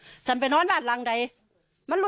ภรรยาก็บอกว่านายเทวีอ้างว่าไม่จริงนายทองม่วนขโมย